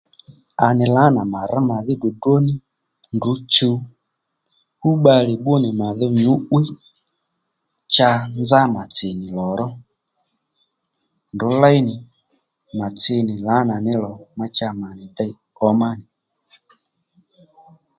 À nì lǎnà mà rř màdhí ddròddró nì ndrǔ chuw fú bbalè bbú nì màdho nyǔ'wiy cha nzá mà tsì nì lò ró ndrǔ léy nì mà tsi nì lǎnà ní lò ma cha mà nì dey ǒmá nì